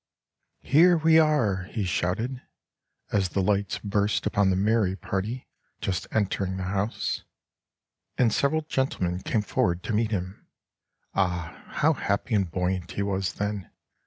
'Here we are!' he shouted, as the lights burst upon the merry party just entering the house, and several gentlemen came forward to meet him. Ah, how happy and buoyant he was then!